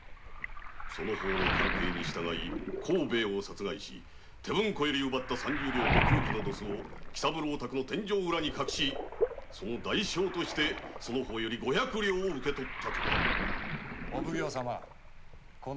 その方の奸計に従い幸兵ヱを殺害して手文庫より奪った三十両と凶器のドスを喜三郎宅の天井裏に隠し代償としてその方より五百両受け取ったと。